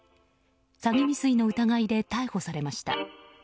詐欺未遂の疑いで逮捕されました。